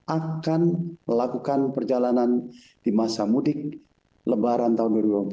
akan melakukan perjalanan di masa mudik lebaran tahun dua ribu dua puluh